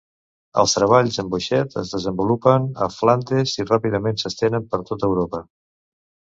Els treballs amb boixet es desenvolupen a Flandes i ràpidament s'estenen per tota Europa.